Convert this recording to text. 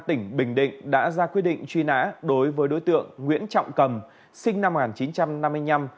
tỉnh bình định đã ra quyết định truy nã đối với đối tượng nguyễn trọng cầm sinh năm một nghìn chín trăm năm mươi năm